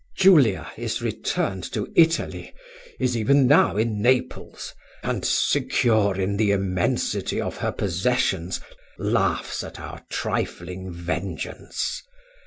Julia is returned to Italy is even now in Naples; and, secure in the immensity of her possessions, laughs at our trifling vengeance.